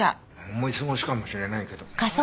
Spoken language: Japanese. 思い過ごしかもしれないけど。